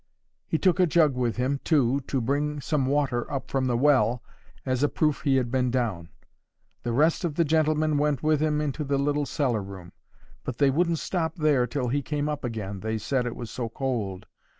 He took a jug with him, too, to bring some water up from the well, as a proof he had been down. The rest of the gentlemen went with him into the little cellar room; but they wouldn't stop there till he came up again, they said it was so cold.